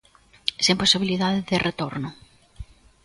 Sen posibilidade de retorno.